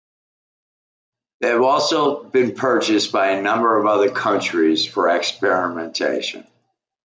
They have also been purchased by a number of other countries for experimentation.